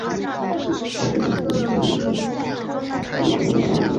但事实上也达到稳定联军的后方和侧翼的作用。